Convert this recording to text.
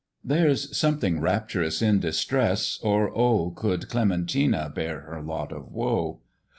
There's something rapturous in distress, or oh! Could Clementina bear her lot of woe?